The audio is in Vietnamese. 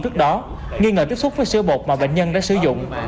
trước đó nghi ngờ tiếp xúc với sữa bột mà bệnh nhân đã sử dụng